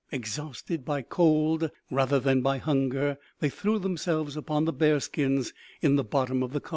Ex hausted by cold rather than by hunger, they threw themselves upon the bear skins in the bottom of the car.